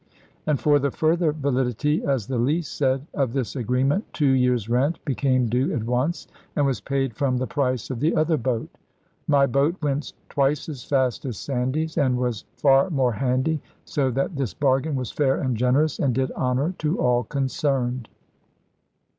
And for the further validity (as the lease said) of this agreement, two years' rent became due at once, and was paid from the price of the other boat. My boat went twice as fast as Sandy's, and was far more handy, so that this bargain was fair and generous, and did honour to all concerned.